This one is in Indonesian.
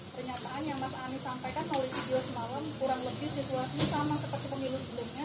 pernyataan yang mas anies sampaikan mau risiko semalam kurang lebih situasi sama seperti penilu sebelumnya